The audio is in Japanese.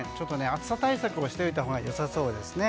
暑さ対策をしておいたほうがよさそうですね。